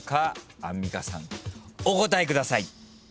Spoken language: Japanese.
アンミカさんお答えください。